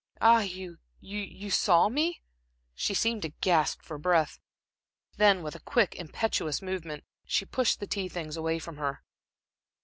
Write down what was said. "Ah, you you saw me?" She seemed to gasp for breath. Then, with a quick, impetuous movement, she pushed the tea things away from her.